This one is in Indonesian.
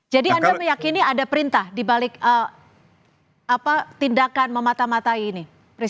jadi anda meyakini ada perintah dibalik tindakan memata matai ini